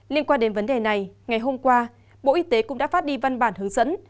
liên quan đến vấn đề này ngày hôm qua bộ y tế cũng đã phát đi văn bản hướng dẫn